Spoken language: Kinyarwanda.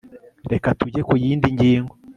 Reka tujye ku yindi ngingo